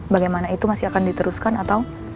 bagaimana itu masih akan diteruskan atau